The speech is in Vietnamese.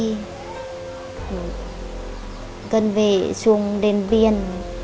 rồi gần về xuống biển